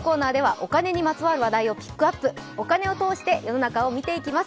お金を通して世の中を見ていきます。